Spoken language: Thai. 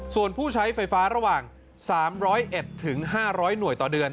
ส่วนผู้ใช้ไฟฟ้าระหว่าง๓๐๑๕๐๐หน่วยต่อเดือน